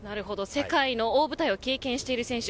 世界の大舞台を経験した選手。